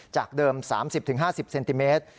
จากเดิม๓๐๕๐เซนติเมตร